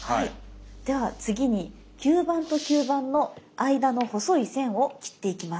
では次に吸盤と吸盤の間の細い線を切っていきます。